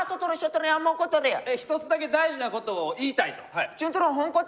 一つだけ大事なことを言いたいと。